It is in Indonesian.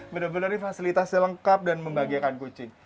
bener bener ini fasilitasnya lengkap dan membagiakan kucing